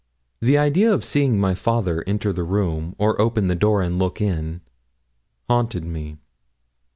The idea of seeing my father enter the room, or open the door and look in, haunted me.